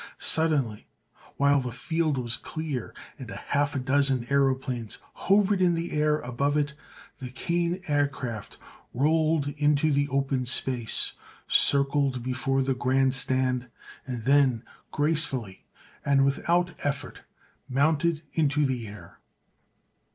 Suddenly, while the field was clear and half a dozen aëroplanes hovered in the air above it, the Kane Aircraft rolled into the open space, circled before the grand stand and then, gracefully and without effort, mounted into the air.